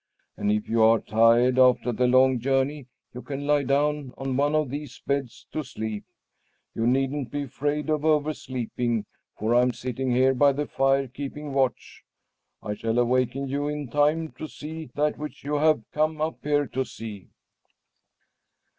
And if you are tired after the long journey, you can lie down on one of these beds to sleep. You needn't be afraid of oversleeping, for I'm sitting here by the fire keeping watch. I shall awaken you in time to see that which you have come up here to see."